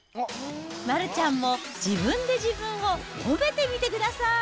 丸ちゃんも自分で自分を褒めてみてください。